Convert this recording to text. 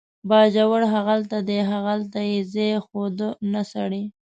باجوړ هغلته دی، هغلته یې ځای ښوده، نه سړی.